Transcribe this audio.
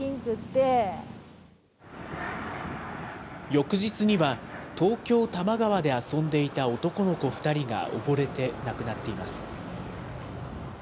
翌日には東京・多摩川で遊んでいた男の子２人が溺れて亡くなっています。